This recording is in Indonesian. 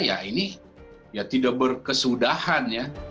ya ini tidak berkesudahan